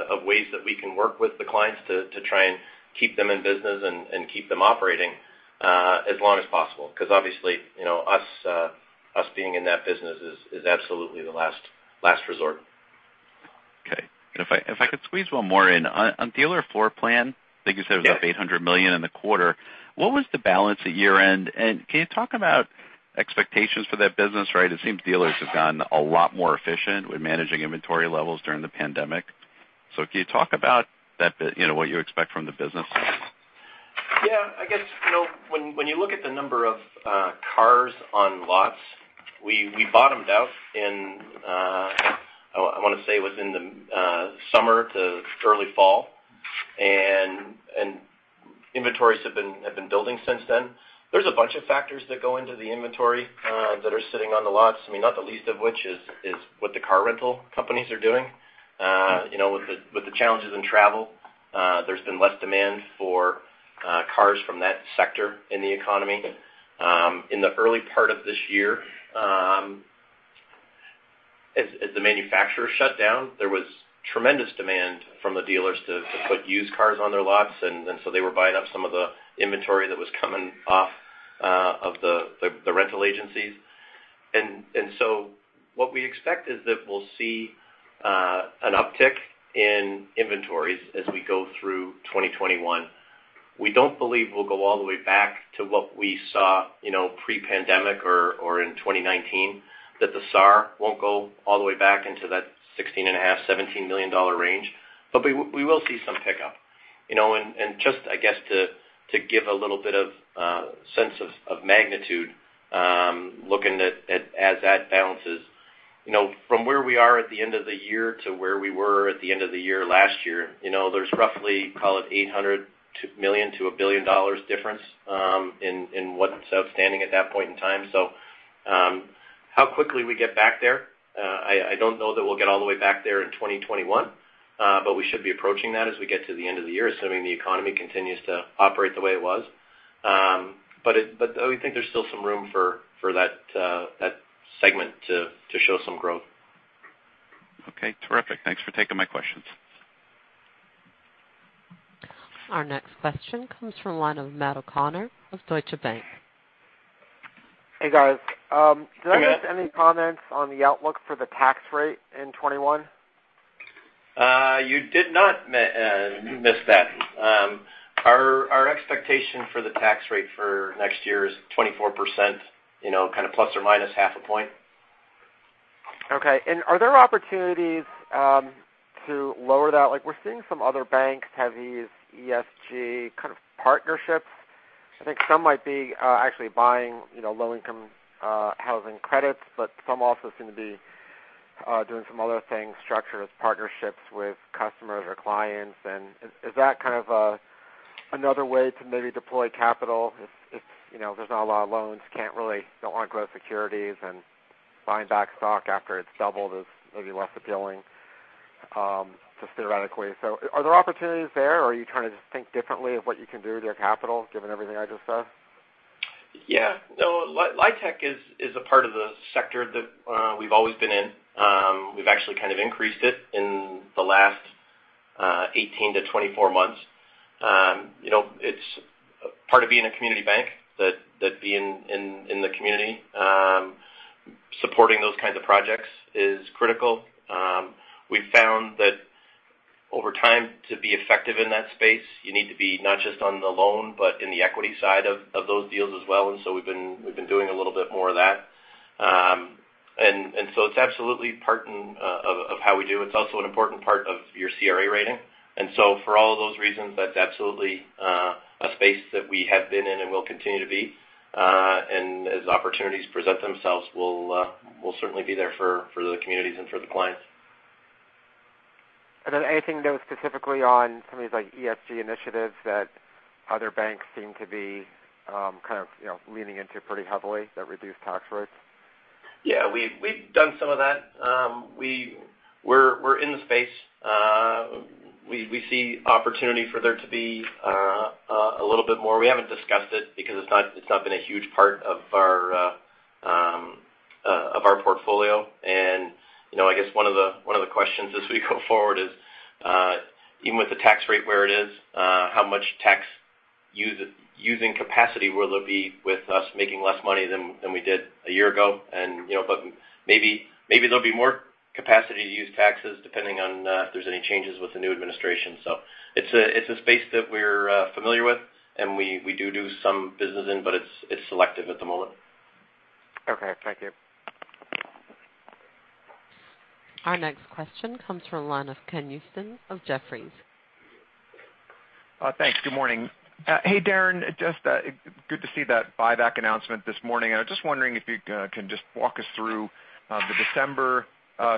of ways that we can work with the clients to try and keep them in business and keep them operating as long as possible. Because obviously us being in that business is absolutely the last resort. If I could squeeze one more in. On dealer floor plan, I think you said it was up $800 million in the quarter. What was the balance at year-end? Can you talk about expectations for that business? It seems dealers have gotten a lot more efficient with managing inventory levels during the pandemic. Can you talk about what you expect from the business? Yeah, I guess, when you look at the number of cars on lots, we bottomed out in, I want to say it was in the summer to early fall. Inventories have been building since then. There's a bunch of factors that go into the inventory that are sitting on the lots. Not the least of which is what the car rental companies are doing. With the challenges in travel, there's been less demand for cars from that sector in the economy. In the early part of this year, as the manufacturers shut down, there was tremendous demand from the dealers to put used cars on their lots. They were buying up some of the inventory that was coming off of the rental agencies. What we expect is that we'll see an uptick in inventories as we go through 2021. We don't believe we'll go all the way back to what we saw pre-pandemic or in 2019, that the SAAR won't go all the way back into that $16.5 million-$17 million range. We will see some pickup. Just, I guess, to give a little bit of sense of magnitude, looking at as that balances. From where we are at the end of the year to where we were at the end of the year last year, there's roughly, call it $800 million-$1 billion difference in what's outstanding at that point in time. How quickly we get back there, I don't know that we'll get all the way back there in 2021. We should be approaching that as we get to the end of the year, assuming the economy continues to operate the way it was. We think there's still some room for that segment to show some growth. Okay, terrific. Thanks for taking my questions. Our next question comes from the line of Matt O'Connor of Deutsche Bank. Hey, guys. Hey, Matt. Did I miss any comments on the outlook for the tax rate in 2021? You did not miss that. Our expectation for the tax rate for next year is 24%, kind of ± half a point. Okay. Are there opportunities to lower that? We're seeing some other banks have these ESG kind of partnerships. I think some might be actually buying low-income housing credits, but some also seem to be doing some other things, structured as partnerships with customers or clients. Is that kind of another way to maybe deploy capital if there's not a lot of loans, don't want to grow securities and buying back stock after it's doubled is maybe less appealing, just theoretically. Are there opportunities there, or are you trying to just think differently of what you can do with your capital given everything I just said? Yeah. No, LIHTC is a part of the sector that we've always been in. We've actually kind of increased it in the last 18-24 months. It's part of being a community bank that being in the community supporting those kinds of projects is critical. We've found that over time to be effective in that space, you need to be not just on the loan, but in the equity side of those deals as well, and so we've been doing a little bit more of that. It's absolutely part of how we do. It's also an important part of your CRA rating. For all of those reasons, that's absolutely a space that we have been in and will continue to be. As opportunities present themselves, we'll certainly be there for the communities and for the clients. Anything specifically on some of these ESG initiatives that other banks seem to be kind of leaning into pretty heavily that reduce tax rates? Yeah, we've done some of that. We're in the space. We see opportunity for there to be a little bit more. We haven't discussed it because it's not been a huge part of our portfolio. I guess one of the questions as we go forward is even with the tax rate where it is, how much tax using capacity will there be with us making less money than we did a year ago? Maybe there'll be more capacity to use taxes depending on if there's any changes with the new administration. It's a space that we're familiar with and we do some business in, but it's selective at the moment. Okay. Thank you. Our next question comes from the line of Ken Usdin of Jefferies. Thanks. Good morning. Hey, Darren, just good to see that buyback announcement this morning. I was just wondering if you can just walk us through the December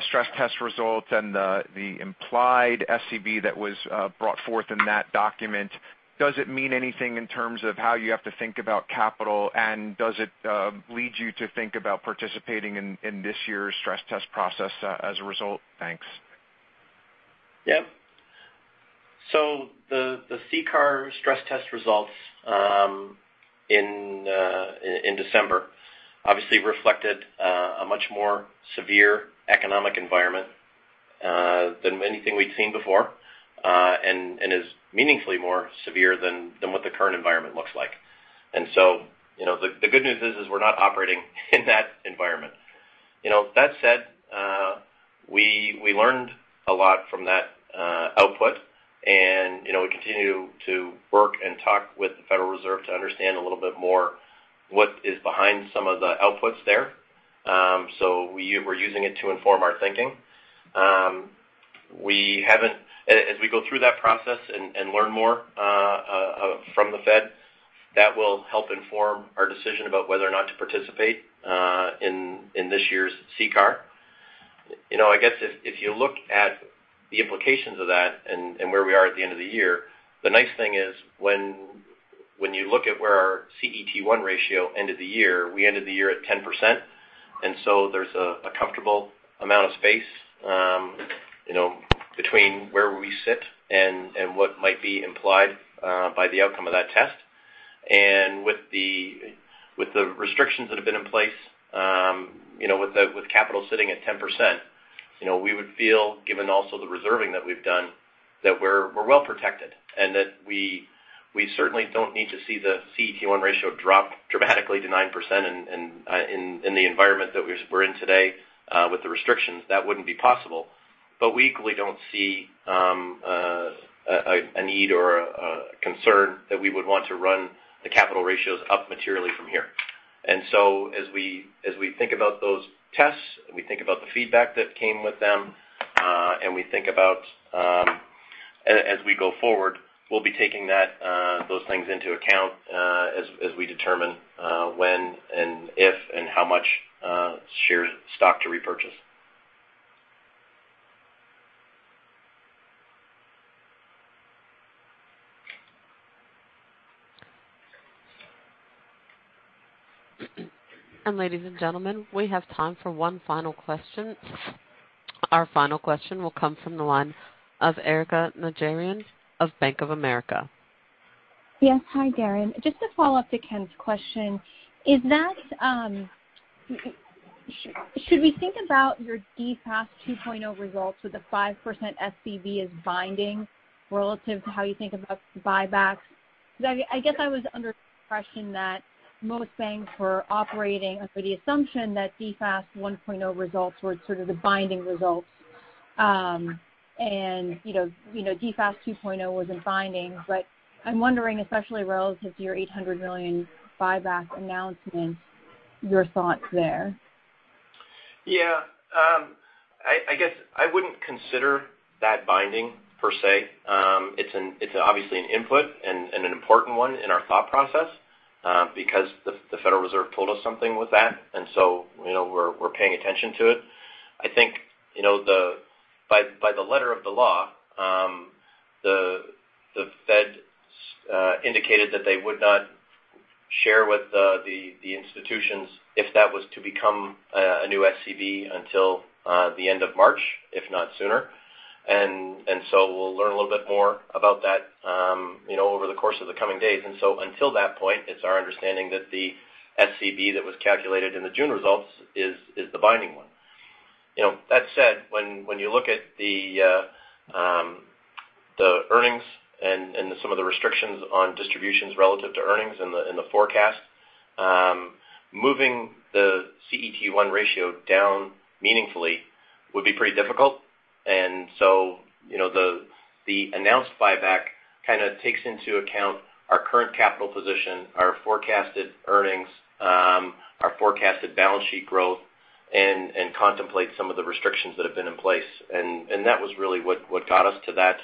stress test results and the implied SCB that was brought forth in that document. Does it mean anything in terms of how you have to think about capital, and does it lead you to think about participating in this year's stress test process as a result? Thanks. Yeah. The CCAR stress test results in December obviously reflected a much more severe economic environment than anything we'd seen before. Is meaningfully more severe than what the current environment looks like. The good news is we're not operating in that environment. That said, we learned a lot from that output, and we continue to work and talk with the Federal Reserve to understand a little bit more what is behind some of the outputs there. We're using it to inform our thinking. As we go through that process and learn more from the Fed, that will help inform our decision about whether or not to participate in this year's CCAR. I guess if you look at the implications of that and where we are at the end of the year, the nice thing is when you look at where our CET1 ratio ended the year, we ended the year at 10%. There's a comfortable amount of space between where we sit and what might be implied by the outcome of that test. With the restrictions that have been in place, with capital sitting at 10%, we would feel, given also the reserving that we've done, that we're well protected and that we certainly don't need to see the CET1 ratio drop dramatically to 9% in the environment that we're in today with the restrictions. That wouldn't be possible. We equally don't see a need or a concern that we would want to run the capital ratios up materially from here. As we think about those tests, we think about the feedback that came with them, and we think about as we go forward, we'll be taking those things into account as we determine when and if and how much shares stock to repurchase. Ladies and gentlemen, we have time for one final question. Our final question will come from the line of Erika Najarian of Bank of America. Yes. Hi, Darren. Just to follow up to Ken's question, should we think about your DFAST 2.0 results with a 5% SCB as binding relative to how you think about buybacks? I guess I was under the impression that most banks were operating under the assumption that DFAST 1.0 results were sort of the binding results. DFAST 2.0 wasn't binding, but I'm wondering, especially relative to your $800 million buyback announcement, your thoughts there. Yeah. I guess I wouldn't consider that binding per se. It's obviously an input and an important one in our thought process because the Federal Reserve told us something with that. We're paying attention to it. I think by the letter of the law, the Fed indicated that they would not share with the institutions if that was to become a new SCB until the end of March, if not sooner. We'll learn a little bit more about that over the course of the coming days. Until that point, it's our understanding that the SCB that was calculated in the June results is the binding one. That said, when you look at the earnings and some of the restrictions on distributions relative to earnings in the forecast, moving the CET1 ratio down meaningfully would be pretty difficult. The announced buyback kind of takes into account our current capital position, our forecasted earnings, our forecasted balance sheet growth, and contemplates some of the restrictions that have been in place. That was really what got us to that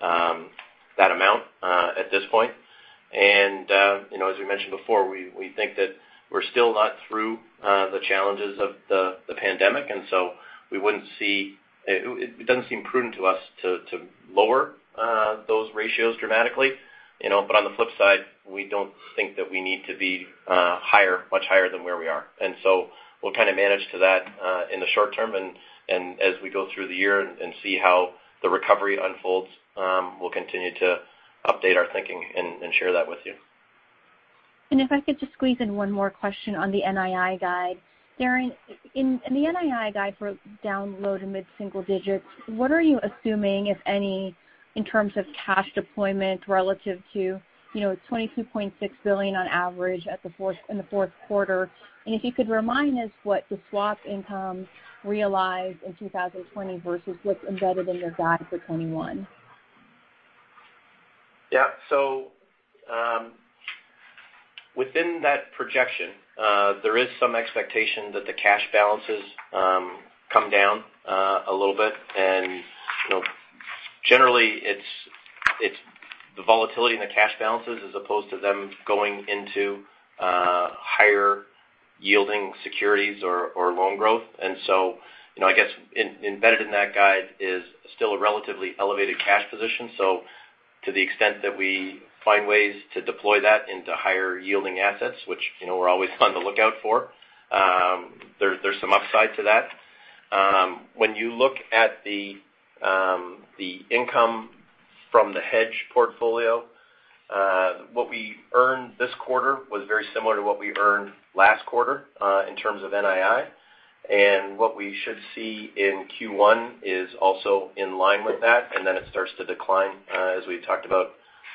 amount at this point. As we mentioned before, we think that we're still not through the challenges of the pandemic, and so it doesn't seem prudent to us to lower those ratios dramatically. On the flip side, we don't think that we need to be much higher than where we are. We'll kind of manage to that in the short term, and as we go through the year and see how the recovery unfolds, we'll continue to update our thinking and share that with you. If I could just squeeze in one more question on the NII guide. Darren, in the NII guide for down low to mid-single digits, what are you assuming, if any, in terms of cash deployment relative to $22.6 billion on average in the fourth quarter? If you could remind us what the swap income realized in 2020 versus what's embedded in your guide for 2021. Yeah. Within that projection, there is some expectation that the cash balances come down a little bit. Generally, it's the volatility in the cash balances as opposed to them going into higher yielding securities or loan growth. I guess embedded in that guide is still a relatively elevated cash position. To the extent that we find ways to deploy that into higher yielding assets, which we're always on the lookout for, there's some upside to that. When you look at the income from the hedge portfolio, what we earned this quarter was very similar to what we earned last quarter in terms of NII. What we should see in Q1 is also in line with that. Then it starts to decline as we've talked about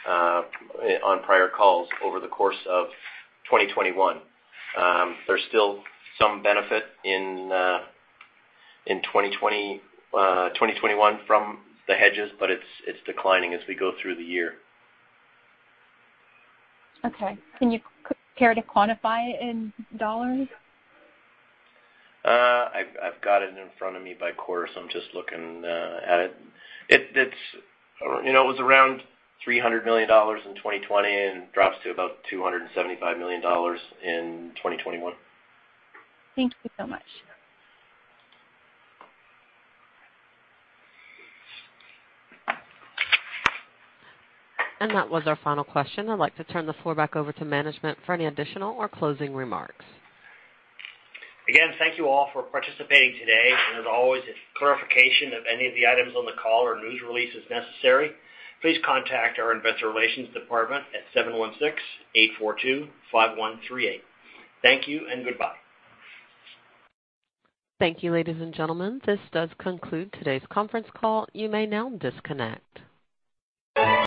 on prior calls over the course of 2021. There's still some benefit in 2021 from the hedges, but it's declining as we go through the year. Okay. Can you care to quantify it in dollars? I've got it in front of me by quarter, so I'm just looking at it. It was around $300 million in 2020 and drops to about $275 million in 2021. Thank you so much. That was our final question. I'd like to turn the floor back over to management for any additional or closing remarks. Again, thank you all for participating today. As always, if clarification of any of the items on the call or news release is necessary, please contact our investor relations department at 716-842-5138. Thank you and goodbye. Thank you, ladies and gentlemen. This does conclude today's conference call. You may now disconnect.